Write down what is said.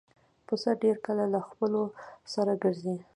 پسه ډېر کله له خپلو سره ګرځي.